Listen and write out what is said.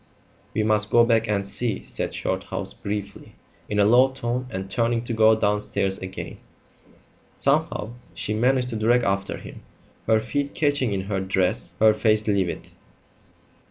"We must go back and see," said Shorthouse briefly, in a low tone, and turning to go downstairs again. Somehow she managed to drag after him, her feet catching in her dress, her face livid.